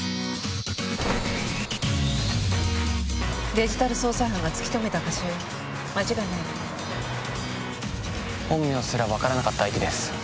デジタル捜査班が突き止めた場所よ間違いないわ本名すら分からなかった相手です